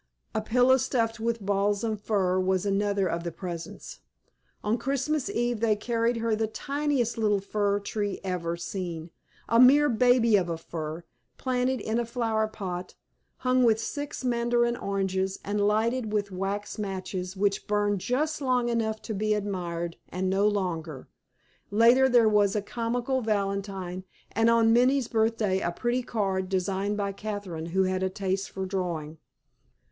A pillow stuffed with balsam fir was another of the presents. On Christmas Eve they carried her the tiniest little fir tree ever seen, a mere baby of a fir, planted in a flower pot, hung with six mandarin oranges, and lighted with wax matches which burned just long enough to be admired and no longer. Later there was a comical valentine, and on Minnie's birthday a pretty card, designed by Catherine, who had a taste for drawing.